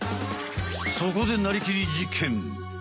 そこでなりきり実験！